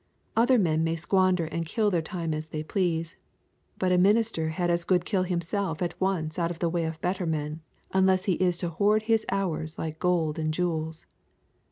Other men may squander and kill their time as they please, but a minister had as good kill himself at once out of the way of better men unless he is to hoard his hours like gold and jewels.